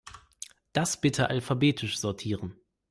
Das bitte alphabetisch sortieren.